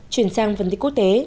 chuyển sang vấn đề quốc tế